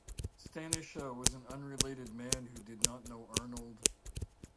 Stanisha was an unrelated man who did not know Arnold.